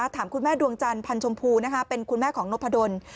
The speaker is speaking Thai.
ถามคุณแม่ดวงจันทร์พันธ์ชมพูเป็นคุณแม่ของนพดล